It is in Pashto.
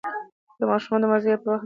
ماشومان د مازدیګر پر وخت چېپس خوړل خوښوي.